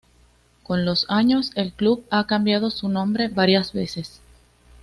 Con los años, el club ha cambiado su nombre varias veces.